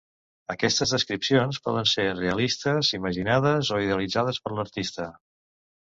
Aquestes descripcions poden ser realistes, imaginades, o idealitzades per l'artista.